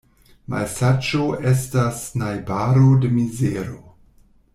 Malsaĝo estas najbaro de mizero.